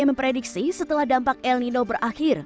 memprediksi setelah dampak el nino berakhir